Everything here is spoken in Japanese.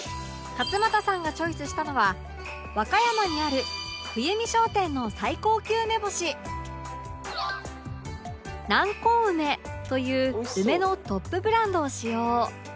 勝俣さんがチョイスしたのは和歌山にある冬美商店の南高梅という梅のトップブランドを使用